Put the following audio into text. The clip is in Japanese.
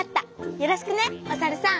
よろしくねおさるさん！